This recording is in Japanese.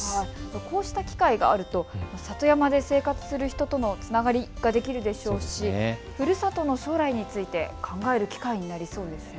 こうした機会があると里山で生活する人とのつながりができるでしょうしふるさとの将来について考える機会になりそうですよね。